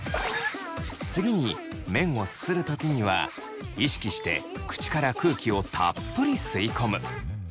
次に麺をすする時には意識して口から空気をたっぷり吸い込む。